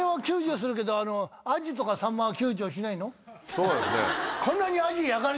そうですね。